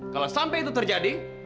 kalau sampai itu terjadi